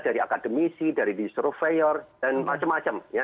dari akademisi dari disurveyor dan macam macam